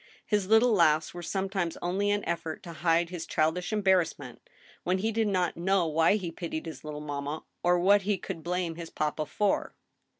His little laughs were sometimes only an effort to hide his childish embarrass ment, when he did not know why he pitied his little mamma, or what'he could blame his papa for.